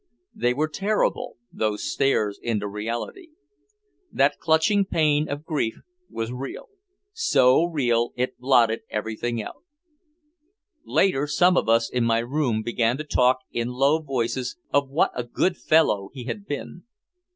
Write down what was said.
They were terrible, those stares into reality. That clutching pain of grief was real, so real it blotted everything out. Later some of us in my room began to talk in low voices of what a good fellow he had been.